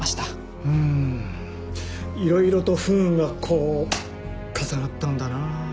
うんいろいろと不運がこう重なったんだなあ。